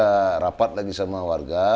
kita rapat lagi sama warga